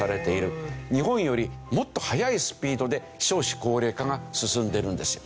日本よりもっと速いスピードで少子高齢化が進んでいるんですよ。